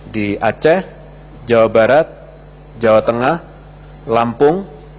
di aceh jawa barat jawa tengah lampung